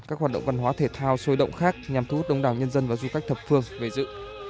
các hoạt động văn hóa thể thao sôi động khác nhằm thu hút đông đảo nhân dân và du khách thập phương về dự